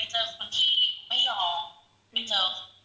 ไม่เจอ